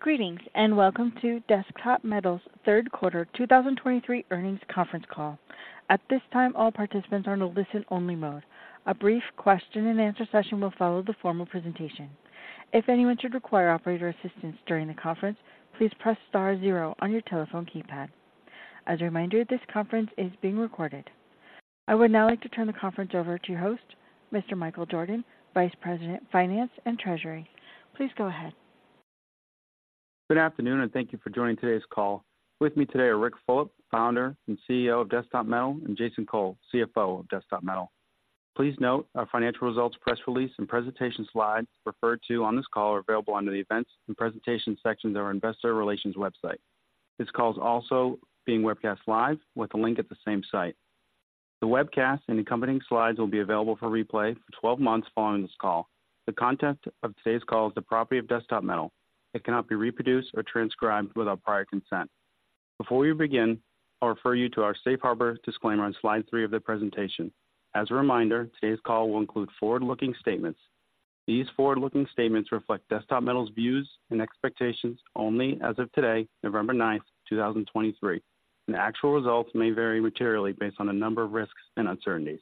Greetings, and welcome to Desktop Metal's third quarter 2023 earnings conference call. At this time, all participants are in a listen-only mode. A brief question and answer session will follow the formal presentation. If anyone should require operator assistance during the conference, please press star zero on your telephone keypad. As a reminder, this conference is being recorded. I would now like to turn the conference over to your host, Mr. Michael Jordan, Vice President, Finance and Treasury. Please go ahead. Good afternoon, and thank you for joining today's call. With me today are Ric Fulop, Founder and CEO of Desktop Metal, and Jason Cole, CFO of Desktop Metal. Please note our financial results, press release, and presentation slides referred to on this call are available under the Events and Presentations section of our Investor Relations website. This call is also being webcast live with a link at the same site. The webcast and accompanying slides will be available for replay for 12 months following this call. The content of today's call is the property of Desktop Metal. It cannot be reproduced or transcribed without prior consent. Before we begin, I'll refer you to our safe harbor disclaimer on slide three of the presentation. As a reminder, today's call will include forward-looking statements. These forward-looking statements reflect Desktop Metal's views and expectations only as of today, November 9, 2023, and actual results may vary materially based on a number of risks and uncertainties.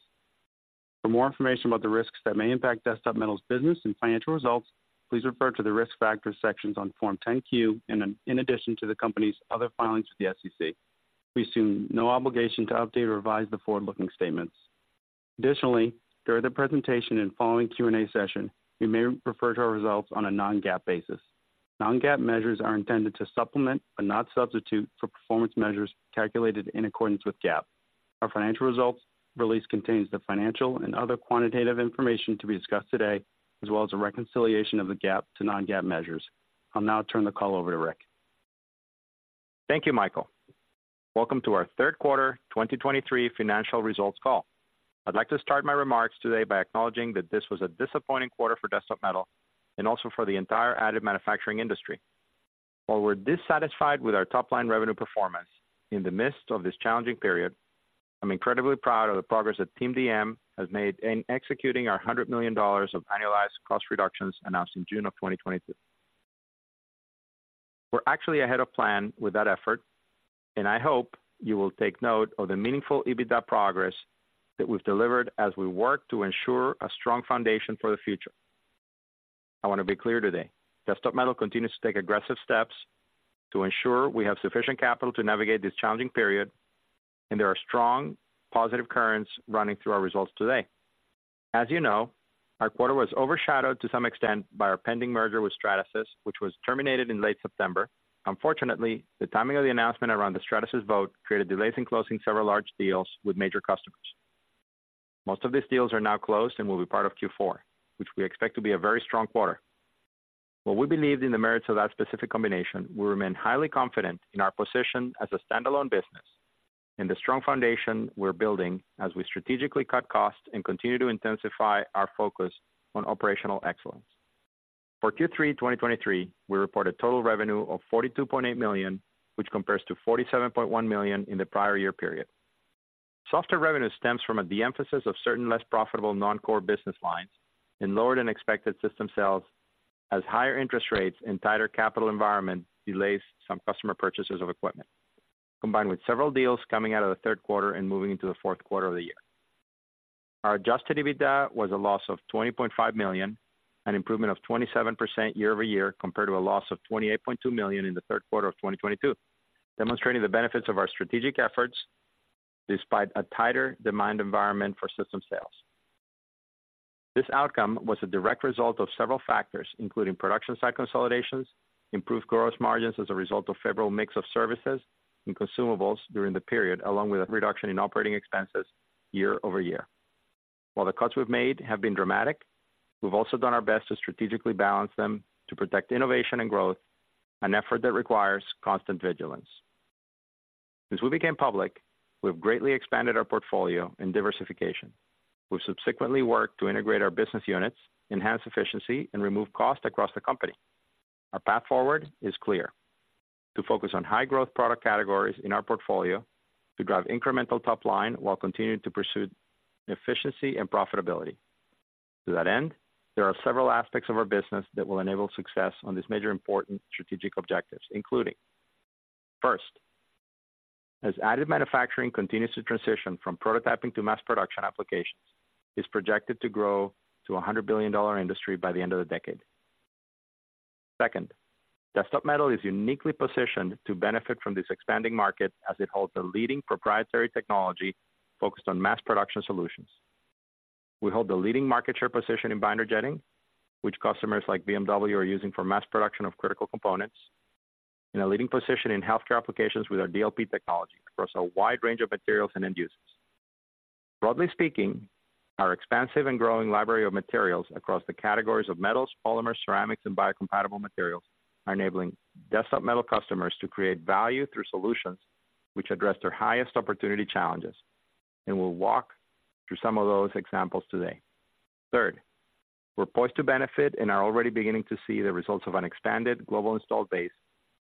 For more information about the risks that may impact Desktop Metal's business and financial results, please refer to the Risk Factors sections on Form 10-Q in addition to the company's other filings with the SEC. We assume no obligation to update or revise the forward-looking statements. Additionally, during the presentation and following Q&A session, we may refer to our results on a non-GAAP basis. Non-GAAP measures are intended to supplement, but not substitute, for performance measures calculated in accordance with GAAP. Our financial results release contains the financial and other quantitative information to be discussed today, as well as a reconciliation of the GAAP to non-GAAP measures. I'll now turn the call over to Ric. Thank you, Michael. Welcome to our third quarter 2023 financial results call. I'd like to start my remarks today by acknowledging that this was a disappointing quarter for Desktop Metal and also for the entire additive manufacturing industry. While we're dissatisfied with our top-line revenue performance in the midst of this challenging period, I'm incredibly proud of the progress that Team DM has made in executing our $100 million of annualized cost reductions announced in June 2022. We're actually ahead of plan with that effort, and I hope you will take note of the meaningful EBITDA progress that we've delivered as we work to ensure a strong foundation for the future. I want to be clear today. Desktop Metal continues to take aggressive steps to ensure we have sufficient capital to navigate this challenging period, and there are strong, positive currents running through our results today. As you know, our quarter was overshadowed to some extent by our pending merger with Stratasys, which was terminated in late September. Unfortunately, the timing of the announcement around the Stratasys vote created delays in closing several large deals with major customers. Most of these deals are now closed and will be part of Q4, which we expect to be a very strong quarter. While we believed in the merits of that specific combination, we remain highly confident in our position as a standalone business and the strong foundation we're building as we strategically cut costs and continue to intensify our focus on operational excellence. For Q3 2023, we reported total revenue of $42.8 million, which compares to $47.1 million in the prior year period. Software revenue stems from a de-emphasis of certain less profitable non-core business lines and lower-than-expected system sales, as higher interest rates and tighter capital environment delays some customer purchases of equipment, combined with several deals coming out of the third quarter and moving into the fourth quarter of the year. Our Adjusted EBITDA was a loss of $20.5 million, an improvement of 27% year-over-year, compared to a loss of $28.2 million in the third quarter of 2022, demonstrating the benefits of our strategic efforts despite a tighter demand environment for system sales. This outcome was a direct result of several factors, including production site consolidations, improved gross margins as a result of favorable mix of services and consumables during the period, along with a reduction in operating expenses year-over-year. While the cuts we've made have been dramatic, we've also done our best to strategically balance them to protect innovation and growth, an effort that requires constant vigilance. Since we became public, we've greatly expanded our portfolio and diversification. We've subsequently worked to integrate our business units, enhance efficiency, and remove costs across the company. Our path forward is clear: to focus on high-growth product categories in our portfolio, to drive incremental top line, while continuing to pursue efficiency and profitability. To that end, there are several aspects of our business that will enable success on these major important strategic objectives, including, first, as Additive Manufacturing continues to transition from prototyping to mass production applications, it's projected to grow to a $100 billion industry by the end of the decade. Second, Desktop Metal is uniquely positioned to benefit from this expanding market as it holds the leading proprietary technology focused on mass production solutions. We hold the leading market share position in binder jetting, which customers like BMW are using for mass production of critical components, and a leading position in healthcare applications with our DLP technology across a wide range of materials and end uses. Broadly speaking, our expansive and growing library of materials across the categories of metals, polymers, ceramics, and biocompatible materials are enabling Desktop Metal customers to create value through solutions which address their highest opportunity challenges, and we'll walk through some of those examples today. Third, we're poised to benefit and are already beginning to see the results of an expanded global installed base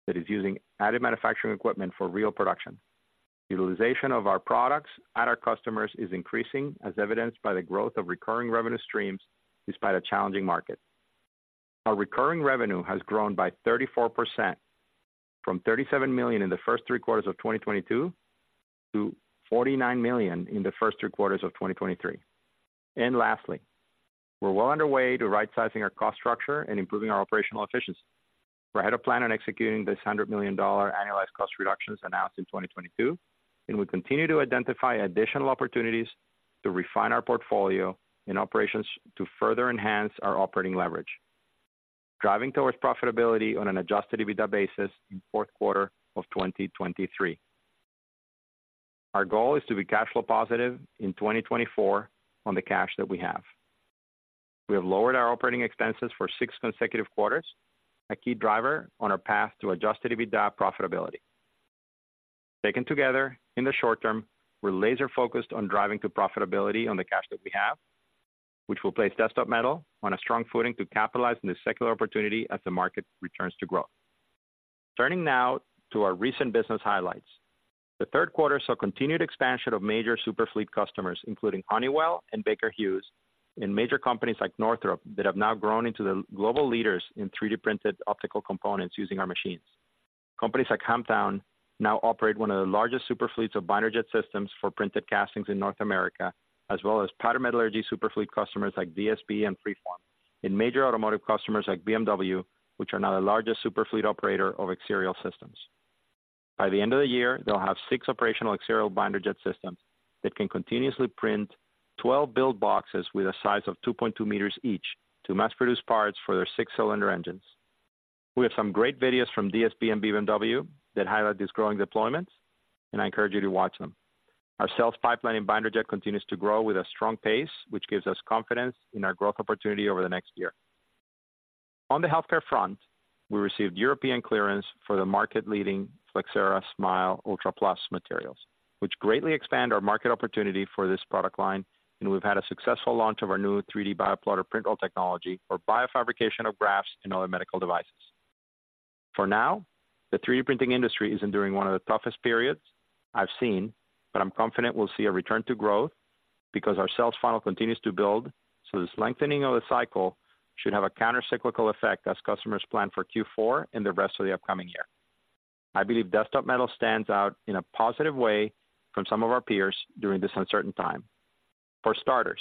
that is using additive manufacturing equipment for real production.. Utilization of our products at our customers is increasing, as evidenced by the growth of recurring revenue streams despite a challenging market. Our recurring revenue has grown by 34% from $37 million in the first three quarters of 2022 to $49 million in the first three quarters of 2023. Lastly, we're well underway to rightsizing our cost structure and improving our operational efficiency. We're ahead of plan on executing this $100 million annualized cost reductions announced in 2022, and we continue to identify additional opportunities to refine our portfolio and operations to further enhance our operating leverage, driving towards profitability on an adjusted EBITDA basis in fourth quarter of 2023. Our goal is to be cash flow positive in 2024 on the cash that we have. We have lowered our operating expenses for six consecutive quarters, a key driver on our path to Adjusted EBITDA profitability. Taken together, in the short term, we're laser focused on driving to profitability on the cash that we have, which will place Desktop Metal on a strong footing to capitalize on this secular opportunity as the market returns to growth. Turning now to our recent business highlights. The third quarter saw continued expansion of major Superfleet customers, including Honeywell and Baker Hughes, and major companies like Northrop, that have now grown into the global leaders in 3D-printed optical components using our machines. Companies like Humtown now operate one of the largest Superfleets of Binder Jet systems for printed castings in North America, as well as powder metallurgy Superfleet customers like DSB and Freeform, and major automotive customers like BMW, which are now the largest Superfleet operator of ExOne systems. By the end of the year, they'll have six operational ExOne Binder Jet systems that can continuously print 12 build boxes with a size of 2.2 meters each to mass-produce parts for their six-cylinder engines. We have some great videos from DSB and BMW that highlight these growing deployments, and I encourage you to watch them. Our sales pipeline in Binder Jet continues to grow with a strong pace, which gives us confidence in our growth opportunity over the next year. On the healthcare front, we received European clearance for the market-leading Flexcera Smile Ultra+ materials, which greatly expand our market opportunity for this product line, and we've had a successful launch of our new 3D Bioplotter printer technology for biofabrication of grafts and other medical devices. For now, the 3D printing industry is enduring one of the toughest periods I've seen, but I'm confident we'll see a return to growth because our sales funnel continues to build, so this lengthening of the cycle should have a countercyclical effect as customers plan for Q4 and the rest of the upcoming year. I believe Desktop Metal stands out in a positive way from some of our peers during this uncertain time. For starters,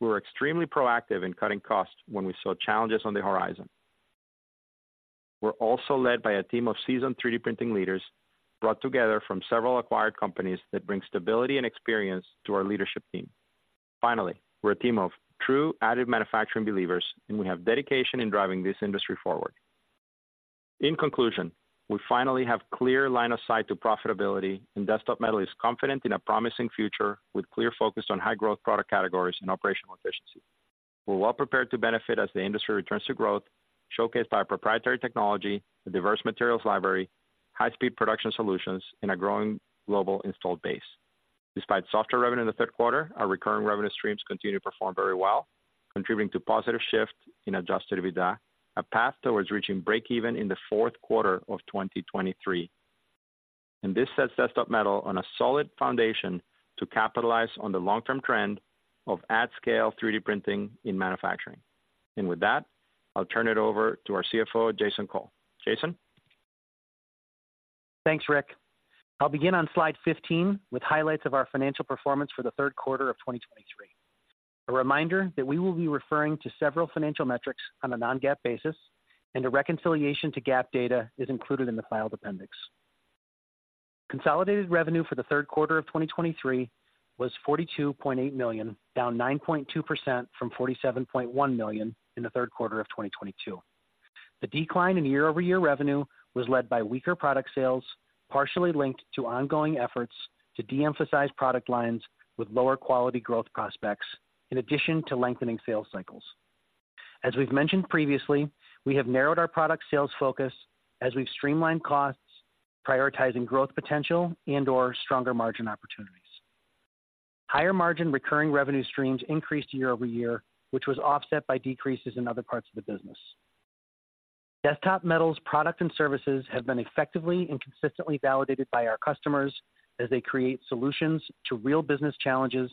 we're extremely proactive in cutting costs when we saw challenges on the horizon. We're also led by a team of seasoned 3D printing leaders, brought together from several acquired companies that bring stability and experience to our leadership team. Finally, we're a team of true additive manufacturing believers, and we have dedication in driving this industry forward. In conclusion, we finally have clear line of sight to profitability, and Desktop Metal is confident in a promising future with clear focus on high growth product categories and operational efficiency. We're well prepared to benefit as the industry returns to growth, showcased by our proprietary technology, a diverse materials library, high-speed production solutions, and a growing global installed base. Despite softer revenue in the third quarter, our recurring revenue streams continue to perform very well, contributing to positive shift in Adjusted EBITDA, a path towards reaching breakeven in the fourth quarter of 2023. And this sets Desktop Metal on a solid foundation to capitalize on the long-term trend of at-scale 3D printing in manufacturing. And with that, I'll turn it over to our CFO, Jason Cole. Jason? Thanks, Ric. I'll begin on slide 15 with highlights of our financial performance for the third quarter of 2023. A reminder that we will be referring to several financial metrics on a Non-GAAP basis, and a reconciliation to GAAP data is included in the filed appendix. Consolidated revenue for the third quarter of 2023 was $42.8 million, down 9.2% from $47.1 million in the third quarter of 2022. The decline in year-over-year revenue was led by weaker product sales, partially linked to ongoing efforts to de-emphasize product lines with lower quality growth prospects, in addition to lengthening sales cycles. As we've mentioned previously, we have narrowed our product sales focus as we've streamlined costs, prioritizing growth potential and/or stronger margin opportunities. Higher margin recurring revenue streams increased year-over-year, which was offset by decreases in other parts of the business. Desktop Metal's products and services have been effectively and consistently validated by our customers as they create solutions to real business challenges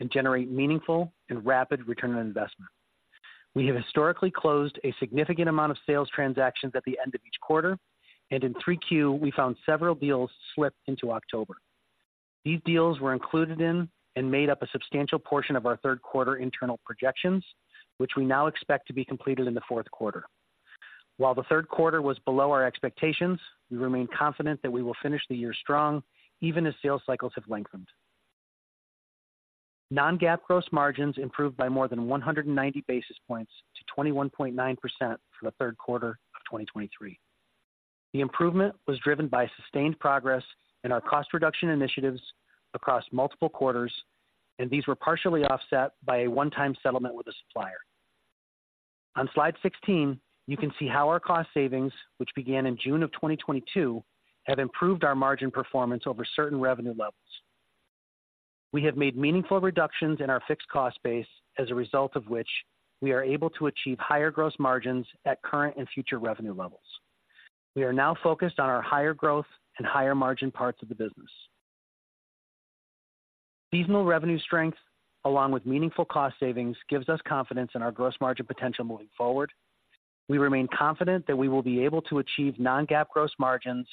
and generate meaningful and rapid return on investment. We have historically closed a significant amount of sales transactions at the end of each quarter, and in Q3, we found several deals slipped into October. These deals were included in and made up a substantial portion of our third quarter internal projections, which we now expect to be completed in the fourth quarter. While the third quarter was below our expectations, we remain confident that we will finish the year strong, even as sales cycles have lengthened. Non-GAAP gross margins improved by more than 190 basis points to 21.9% for the third quarter of 2023. The improvement was driven by sustained progress in our cost reduction initiatives across multiple quarters, and these were partially offset by a one-time settlement with a supplier. On slide 16, you can see how our cost savings, which began in June of 2022, have improved our margin performance over certain revenue levels....We have made meaningful reductions in our fixed cost base, as a result of which we are able to achieve higher gross margins at current and future revenue levels. We are now focused on our higher growth and higher margin parts of the business. Seasonal revenue strength, along with meaningful cost savings, gives us confidence in our gross margin potential moving forward. We remain confident that we will be able to achieve non-GAAP gross margins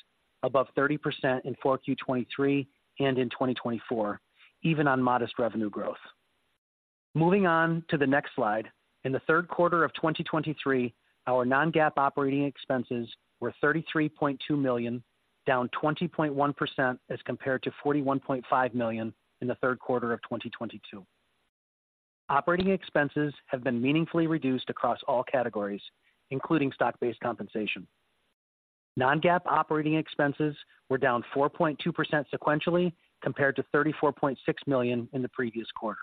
above 30% in fourth Q 2023 and in 2024, even on modest revenue growth. Moving on to the next slide. In the third quarter of 2023, our non-GAAP operating expenses were $33.2 million, down 20.1% as compared to $41.5 million in the third quarter of 2022. Operating expenses have been meaningfully reduced across all categories, including stock-based compensation. Non-GAAP operating expenses were down 4.2% sequentially, compared to $34.6 million in the previous quarter.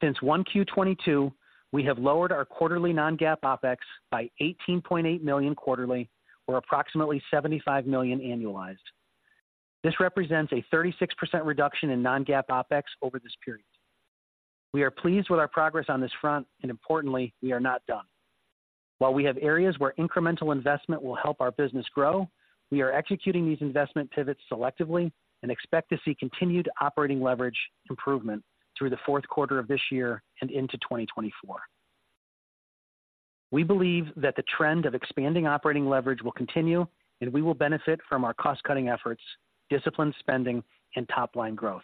Since 1Q 2022, we have lowered our quarterly non-GAAP OpEx by $18.8 million quarterly, or approximately $75 million annualized. This represents a 36% reduction in non-GAAP OpEx over this period. We are pleased with our progress on this front, and importantly, we are not done. While we have areas where incremental investment will help our business grow, we are executing these investment pivots selectively and expect to see continued operating leverage improvement through the fourth quarter of this year and into 2024. We believe that the trend of expanding operating leverage will continue, and we will benefit from our cost-cutting efforts, disciplined spending, and top-line growth.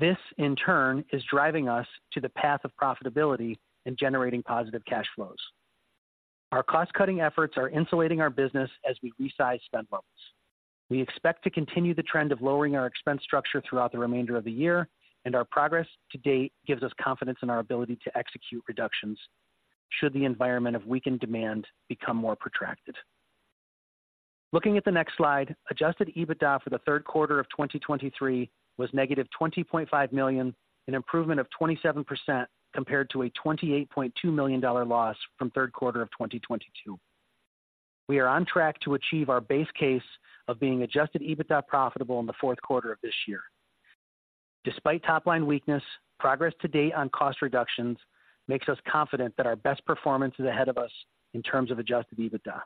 This, in turn, is driving us to the path of profitability and generating positive cash flows. Our cost-cutting efforts are insulating our business as we resize spend levels. We expect to continue the trend of lowering our expense structure throughout the remainder of the year, and our progress to date gives us confidence in our ability to execute reductions should the environment of weakened demand become more protracted. Looking at the next slide, Adjusted EBITDA for the third quarter of 2023 was -$20.5 million, an improvement of 27% compared to a $28.2 million loss from third quarter of 2022. We are on track to achieve our base case of being Adjusted EBITDA profitable in the fourth quarter of this year. Despite top-line weakness, progress to date on cost reductions makes us confident that our best performance is ahead of us in terms of Adjusted EBITDA.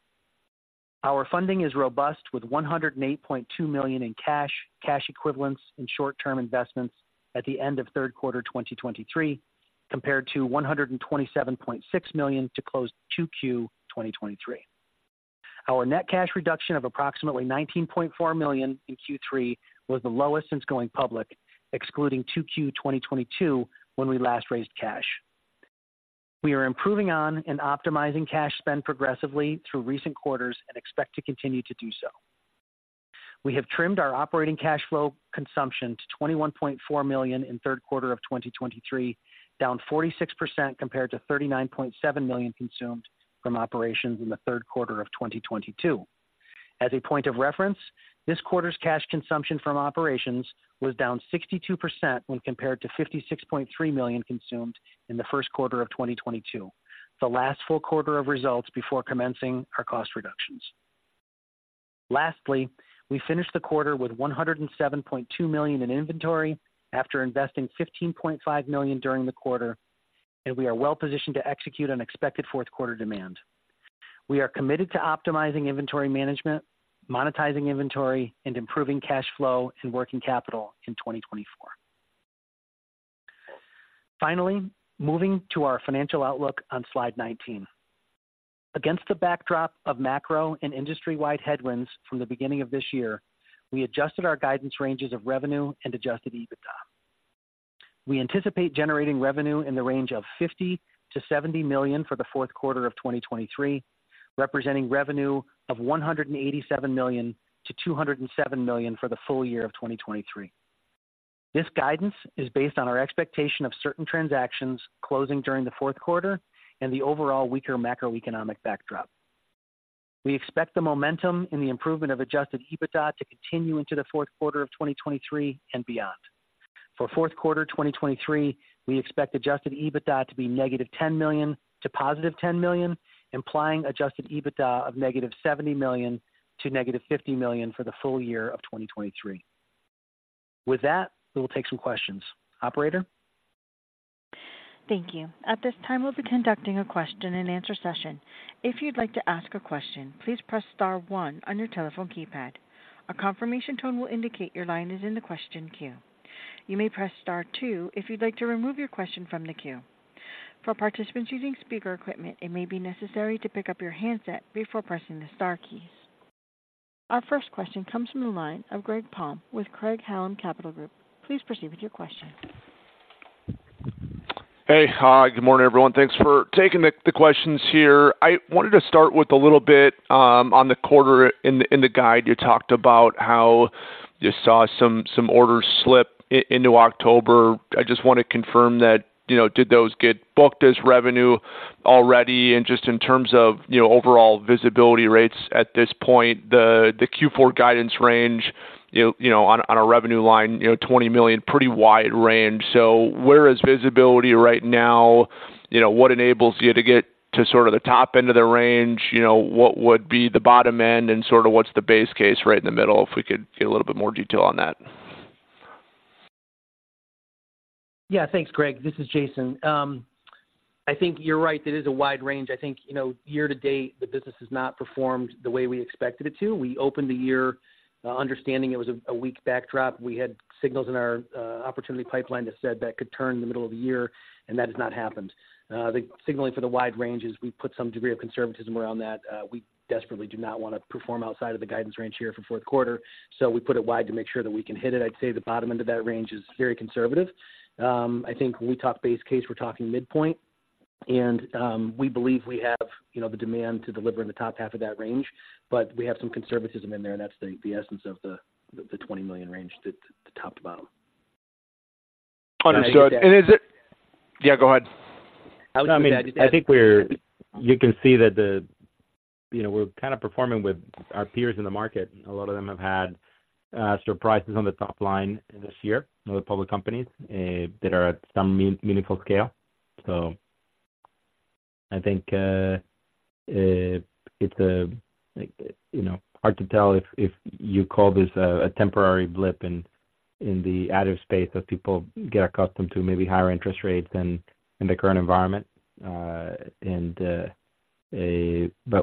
Our funding is robust, with $108.2 million in cash, cash equivalents and short-term investments at the end of third quarter 2023, compared to $127.6 million to close 2Q 2023. Our net cash reduction of approximately $19.4 million in Q3 was the lowest since going public, excluding Q2 2022, when we last raised cash. We are improving on and optimizing cash spend progressively through recent quarters and expect to continue to do so. We have trimmed our operating cash flow consumption to $21.4 million in third quarter of 2023, down 46% compared to $39.7 million consumed from operations in the third quarter of 2022. As a point of reference, this quarter's cash consumption from operations was down 62% when compared to $56.3 million consumed in the first quarter of 2022, the last full quarter of results before commencing our cost reductions. Lastly, we finished the quarter with $107.2 million in inventory after investing $15.5 million during the quarter, and we are well positioned to execute on expected fourth quarter demand. We are committed to optimizing inventory management, monetizing inventory, and improving cash flow and working capital in 2024. Finally, moving to our financial outlook on slide 19. Against the backdrop of macro and industry-wide headwinds from the beginning of this year, we adjusted our guidance ranges of revenue and adjusted EBITDA. We anticipate generating revenue in the range of $50 million-$70 million for the fourth quarter of 2023, representing revenue of $187 million-$207 million for the full year of 2023. This guidance is based on our expectation of certain transactions closing during the fourth quarter and the overall weaker macroeconomic backdrop. We expect the momentum in the improvement of adjusted EBITDA to continue into the fourth quarter of 2023 and beyond. For fourth quarter 2023, we expect adjusted EBITDA to be -$10 million to +$10 million, implying adjusted EBITDA of -$70 million to -$50 million for the full year of 2023. With that, we will take some questions. Operator? Thank you. At this time, we'll be conducting a question-and-answer session. If you'd like to ask a question, please press star one on your telephone keypad. A confirmation tone will indicate your line is in the question queue. You may press star two if you'd like to remove your question from the queue. For participants using speaker equipment, it may be necessary to pick up your handset before pressing the star keys. Our first question comes from the line of Greg Palm with Craig-Hallum Capital Group. Please proceed with your question. Hey, hi. Good morning, everyone. Thanks for taking the questions here. I wanted to start with a little bit on the quarter. In the guide, you talked about how you saw some orders slip into October. I just want to confirm that, you know, did those get booked as revenue already? And just in terms of, you know, overall visibility rates at this point, the Q4 guidance range, you know, on a revenue line, you know, $20 million, pretty wide range. So where is visibility right now? You know, what enables you to get to sort of the top end of the range? You know, what would be the bottom end and sort of what's the base case right in the middle? If we could get a little bit more detail on that. Yeah. Thanks, Greg. This is Jason. I think you're right, it is a wide range. I think, you know, year to date, the business has not performed the way we expected it to. We opened the year, understanding it was a weak backdrop. We had signals in our opportunity pipeline that said that could turn in the middle of the year, and that has not happened. The signaling for the wide range is we put some degree of conservatism around that. We desperately do not want to perform outside of the guidance range here for fourth quarter, so we put it wide to make sure that we can hit it. I'd say the bottom end of that range is very conservative. I think when we talk base case, we're talking midpoint, and we believe we have, you know, the demand to deliver in the top half of that range, but we have some conservatism in there, and that's the essence of the $20 million range, the top to bottom. Understood. And is it- Yeah, go ahead. I mean, I think we're... You can see that the, you know, we're kind of performing with our peers in the market. A lot of them have had surprises on the top line this year, other public companies that are at some meaningful scale. So I think it's, you know, hard to tell if you call this a temporary blip in the additive space as people get accustomed to maybe higher interest rates than in the current environment. But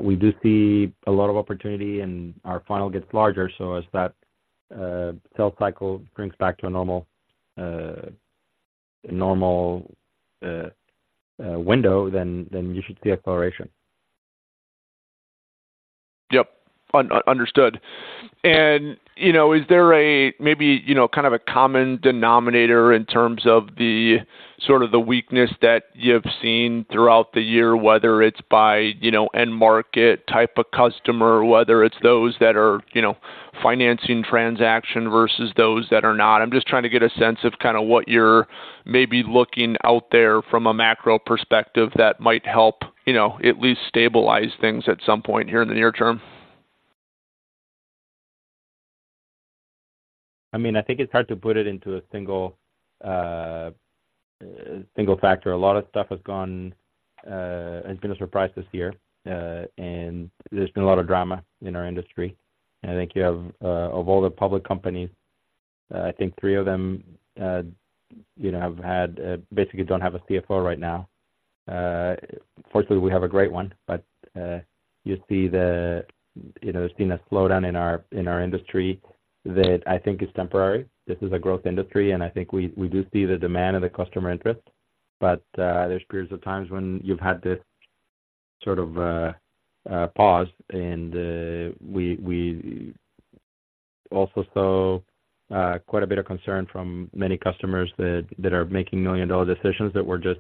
we do see a lot of opportunity, and our funnel gets larger. So as that sales cycle brings back to a normal window, then you should see acceleration. Yep, understood. And, you know, is there maybe, you know, kind of a common denominator in terms of the sort of weakness that you've seen throughout the year, whether it's by, you know, end market, type of customer, whether it's those that are, you know, financing transaction versus those that are not? I'm just trying to get a sense of kind of what you're maybe looking out there from a macro perspective that might help, you know, at least stabilize things at some point here in the near term. I mean, I think it's hard to put it into a single factor. A lot of stuff has gone, and been a surprise this year, and there's been a lot of drama in our industry. I think you have, of all the public companies, I think three of them, you know, have had, basically don't have a CFO right now. Fortunately, we have a great one, but, you see the, you know, seeing a slowdown in our industry that I think is temporary. This is a growth industry, and I think we do see the demand and the customer interest, but there's periods of times when you've had this sort of pause, and we also saw quite a bit of concern from many customers that are making million-dollar decisions that were just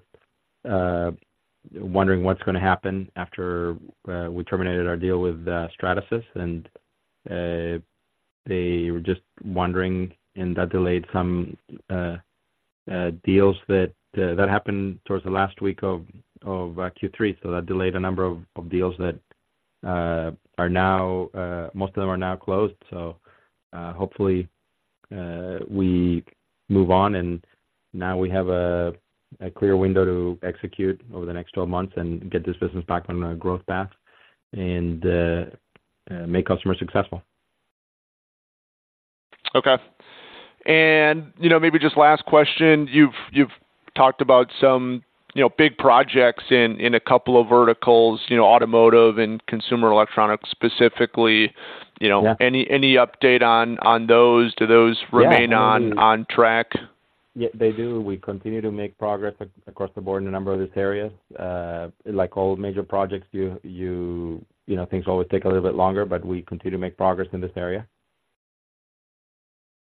wondering what's going to happen after we terminated our deal with Stratasys. And they were just wondering, and that delayed some deals that happened towards the last week of Q3. So that delayed a number of deals that are now most of them are now closed. So, hopefully, we move on, and now we have a clear window to execute over the next 12 months and get this business back on a growth path and make customers successful. Okay. And, you know, maybe just last question, you've talked about some, you know, big projects in a couple of verticals, you know, automotive and consumer electronics specifically. Yeah. You know, any update on those? Do those- Yeah. Remain on track? Yeah, they do. We continue to make progress across the board in a number of these areas. Like all major projects, you know, things always take a little bit longer, but we continue to make progress in this area.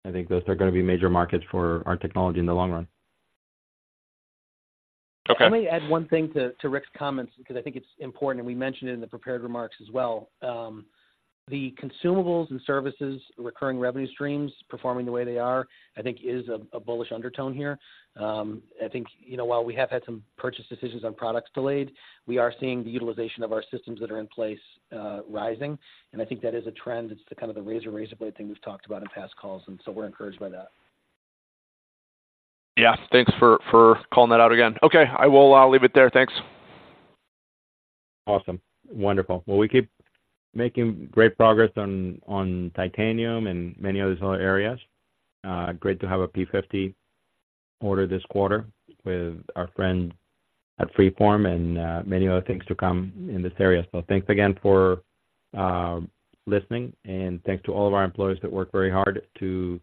I think those are going to be major markets for our technology in the long run. Okay. Let me add one thing to Ric's comments, because I think it's important, and we mentioned it in the prepared remarks as well. The consumables and services, recurring revenue streams, performing the way they are, I think is a bullish undertone here. I think, you know, while we have had some purchase decisions on products delayed, we are seeing the utilization of our systems that are in place, rising, and I think that is a trend. It's the kind of razor blade thing we've talked about in past calls, and so we're encouraged by that. Yeah. Thanks for calling that out again. Okay, I will leave it there. Thanks. Awesome. Wonderful. Well, we keep making great progress on titanium and many other areas. Great to have a P-50 order this quarter with our friend at Freeform and many other things to come in this area. So thanks again for listening, and thanks to all of our employees that work very hard to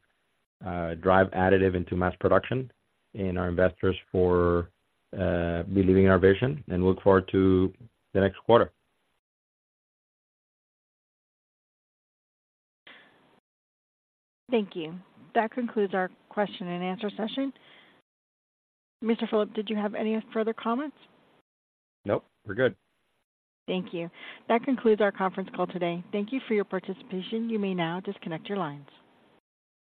drive additive into mass production and our investors for believing in our vision, and look forward to the next quarter. Thank you. That concludes our question-and-answer session. Mr. Fulop, did you have any further comments? Nope, we're good. Thank you. That concludes our conference call today. Thank you for your participation. You may now disconnect your lines.